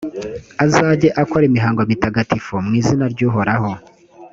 azajye akora imihango mitagatifu mu izina ry’uhoraho